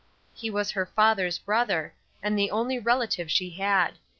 He was her father's brother, and the only relative she had.